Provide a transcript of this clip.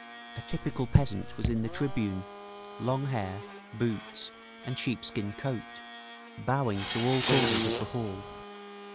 A typical peasant was in the tribune, long hair, boots and sheep skin coat, bowing to all corners of the hall.